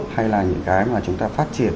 hay là những cái mà chúng ta phát triển